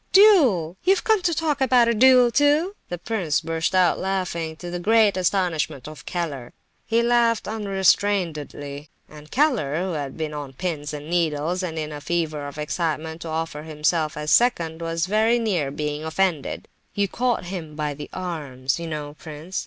"Duel! You've come to talk about a duel, too!" The prince burst out laughing, to the great astonishment of Keller. He laughed unrestrainedly, and Keller, who had been on pins and needles, and in a fever of excitement to offer himself as "second," was very near being offended. "You caught him by the arms, you know, prince.